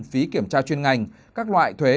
phí kiểm tra chuyên ngành các loại thuế